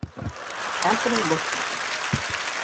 Anthony looked at him.